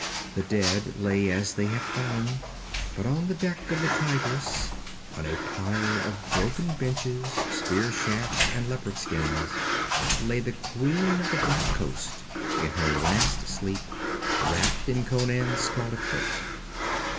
The dead lay as they had fallen. But on the deck of the Tigress, on a pyre of broken benches, spear shafts and leopardskins, lay the Queen of the Black Coast in her last sleep, wrapped in Conan's scarlet cloak.